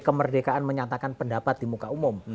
kemerdekaan menyatakan pendapat di muka umum